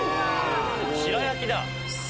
白焼きだ。